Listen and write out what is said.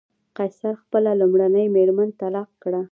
قیصر خپله لومړۍ مېرمن طلاق کړه.